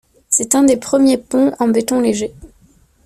C'est un des premiers ponts en béton léger.